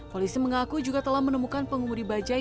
polisi mengaku juga telah menemukan pengumudi bajai